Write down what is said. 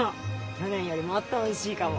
去年よりもっとおいしいかも。